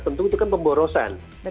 tentu itu kan pemborosan